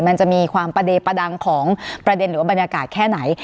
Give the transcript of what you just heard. มันจะมีความประเดประดังของประเด็นหรือว่าบรรยากาศแค่ไหน